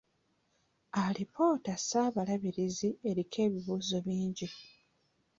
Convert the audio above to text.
Alipoota ssaababalirizi eriko ebibuuzo bingi.